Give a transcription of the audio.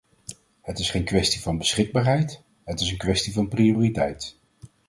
Her is geen kwestie van beschikbaarheid; het is een kwestie van prioriteit.